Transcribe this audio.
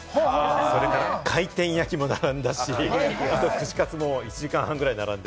それから回転焼きも並んだし、串カツも１時間半ぐらい並んで。